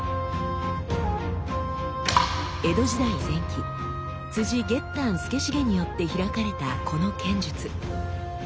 江戸時代前期月丹資茂によって開かれたこの剣術。